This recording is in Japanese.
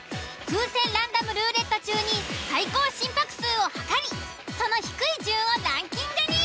風船ランダムルーレット中に最高心拍数を測りその低い順をランキングに。